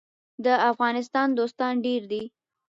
د افغانستان دوستان ډیر دي